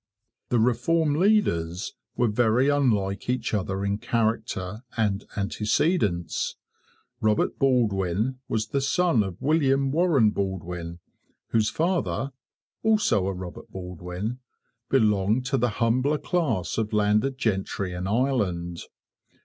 The Reform leaders were very unlike each other in character and antecedents. Robert Baldwin was the son of William Warren Baldwin, whose father (also a Robert Baldwin) belonged to the humbler class of landed gentry in Ireland.